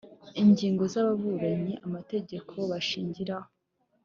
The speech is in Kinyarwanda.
Ingingo z ababuranyi amategeko bashingiraho